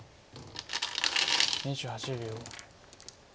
２８秒。